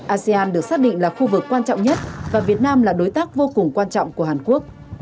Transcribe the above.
asean được xác định là khu vực quan trọng nhất và việt nam là đối tác vô cùng quan trọng của hàn quốc